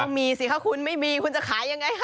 ต้องมีสิครับคุณไม่มีคุณจะขายยังไงครับ